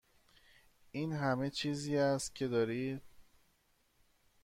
این همه چیزی است که داریم.